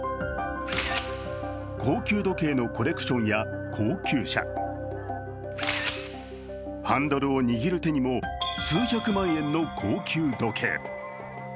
高級時計のコレクションや高級車、ハンドルを握る手にも数百万円の高級時計。